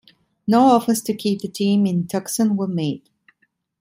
No offers to keep the team in Tucson were made.